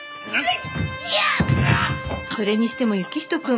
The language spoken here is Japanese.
それにしても行人くん